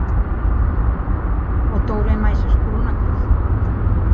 O touro é máis escuro na cruz.